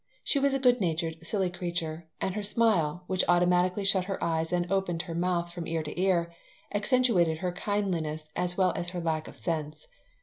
She was a good natured, silly creature, and her smile, which automatically shut her eyes and opened her mouth from ear to ear, accentuated her kindliness as well as her lack of sense.